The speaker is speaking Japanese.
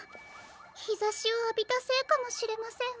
ひざしをあびたせいかもしれませんわ。